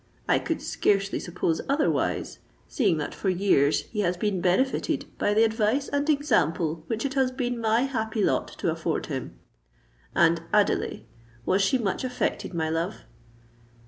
I could scarcely suppose otherwise—seeing that for years he has been benefited by the advice and example which it has been my happy lot to afford him. And Adelais—was she much affected, my love?"